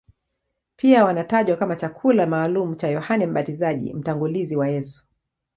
Pia wanatajwa kama chakula maalumu cha Yohane Mbatizaji, mtangulizi wa Yesu.